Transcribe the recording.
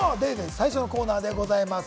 最初のコーナーでございます。